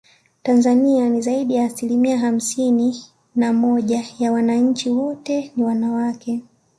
Tanzania ni zaidi ya asilimia hamsini na moja ya wananchi wote ni wanawake